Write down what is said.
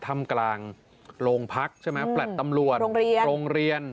ถ้ำกลางโรงพักษ์แปลดตำรวจโรงเรียน